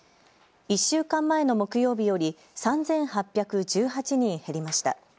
１週間前の木曜日より３８１８人減りました。